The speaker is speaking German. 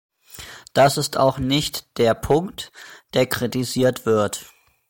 Das ist auch nicht der Punkt, der kritisiert wird.